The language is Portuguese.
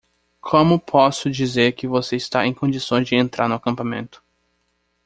Como posso dizer que você está em condições de entrar no acampamento?